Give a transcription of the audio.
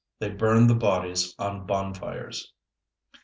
They burned the bodies on bonfires.